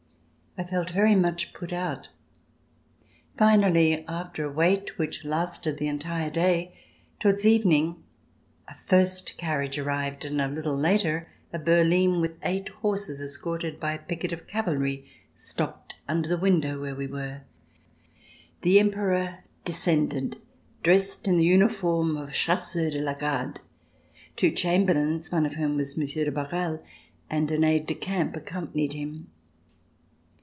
I felt very much put out. Finally, after a wait which lasted the entire day, towards evening, a first carriage arrived and a little later a berline with eight horses escorted by a picket of cavalry stopped under the window where we were. The Emperor descended, dressed in the uniform of chasseur de la garde. Two chamberlains, one of whom was Monsieur de Barral, and an aide de camp accompanied him.